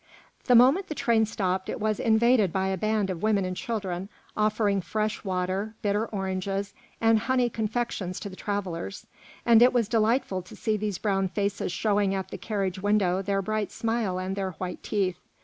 The moment the train stopped, it was invaded by a band of women and children, offering fresh water, bitter oranges, and honey confections to the travellers; and it was delightful to see these brown faces showing at the carriage window their bright smile and their white teeth.